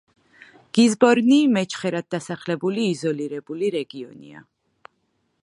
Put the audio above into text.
გიზბორნი მეჩხერად დასახლებული, იზოლირებული რეგიონია.